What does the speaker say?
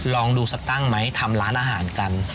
ลองดูสักตั้งไหมทำร้านอาหารกัน